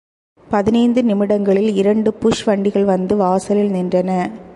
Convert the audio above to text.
பதினைந்து நிமிடங்களில் இரண்டு புஷ் வண்டிகள் வந்து வாசலில் நின்றன.